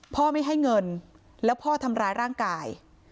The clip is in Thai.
ไม่ให้เงินแล้วพ่อทำร้ายร่างกาย